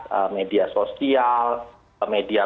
lalu kemudian juga edukasi ya berbasis kearifan masyarakat